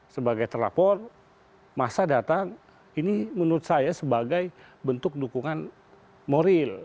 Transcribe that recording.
sebagai terlapor masa datang ini menurut saya sebagai bentuk dukungan moral